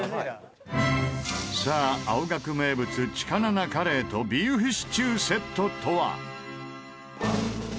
さあ青学名物チカナナカレーとビーフシチューセットとは？